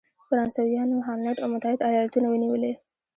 فرانسویانو هالنډ او متحد ایالتونه ونیولې.